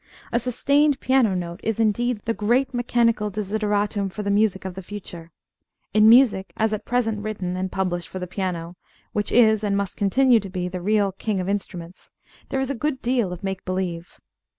A sustained piano note is, indeed, the great mechanical desideratum for the music of the future. In music, as at present written and published for the piano, which is, and must continue to be, the real "King of Instruments," there is a good deal of make believe.